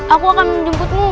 aku akan menjemputmu